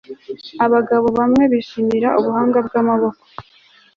abagabo bamwe bishimira ubuhanga bwamaboko